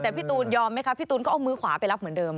แต่พี่ตูนยอมไหมคะพี่ตูนก็เอามือขวาไปรับเหมือนเดิม